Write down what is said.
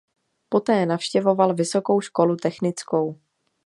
Poté navštěvoval vysokou školu technickou.